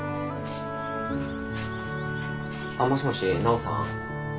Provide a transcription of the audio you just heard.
あっもしもし奈央さん？